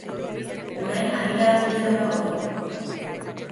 Orain argitaratu dena da hori.